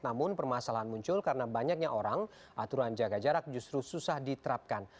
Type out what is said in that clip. namun permasalahan muncul karena banyaknya orang aturan jaga jarak justru susah diterapkan